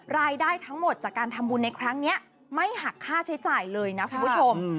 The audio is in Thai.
รายได้ทั้งหมดจากการทำบุญในครั้งนี้ไม่หักค่าใช้จ่ายเลยนะคุณผู้ชม